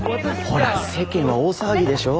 ほら世間は大騒ぎでしょ。